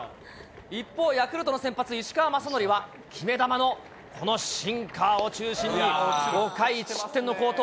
一方、ヤクルトの先発、石川まさのりは、決め球のこのシンカーを中心に、５回１失点の好投。